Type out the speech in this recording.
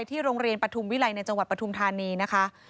ที่โรงเรียนปฐุมวิลัยในจังหวัดปฐุมธานีนะคะ